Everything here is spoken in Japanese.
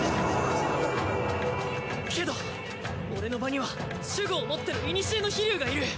けど俺の場には守護を持ってる古の飛竜がいる。